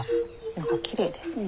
何かきれいですね。